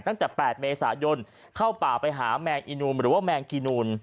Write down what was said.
ตั้งแต่๘เมษายนเข้าป่าไปหาแมงอีนูนหรือว่าแมงกินูน